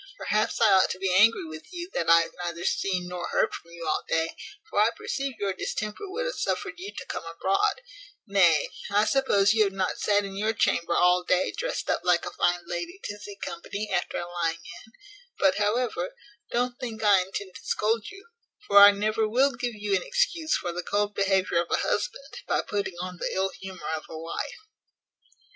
Perhaps I ought to be angry with you, that I have neither seen nor heard from you all day; for I perceive your distemper would have suffered you to come abroad: nay, I suppose you have not sat in your chamber all day drest up like a fine lady to see company after a lying in; but, however, don't think I intend to scold you; for I never will give you an excuse for the cold behaviour of a husband, by putting on the ill humour of a wife."